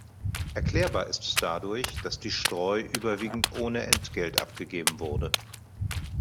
Erklärbar ist es dadurch, dass die Streu überwiegend ohne Entgelt abgegeben wurde.